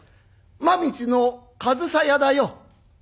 馬道の上総屋だよ」。